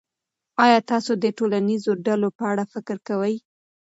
آیا تاسو د ټولنیزو ډلو په اړه فکر کوئ.